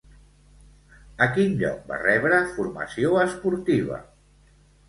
A quin lloc va rebre formació esportiva?